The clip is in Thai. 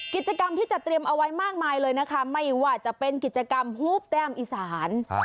กิจกรรมที่จะเตรียมเอาไว้มากมายเลยนะคะไม่ว่าจะเป็นกิจกรรมฮูบแต้มอีสาน